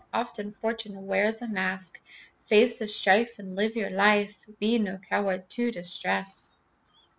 Often Fortune wears a mask. Face the strife And live your life; Be no coward in distress!